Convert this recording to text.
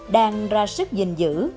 đang ra sức dình dữ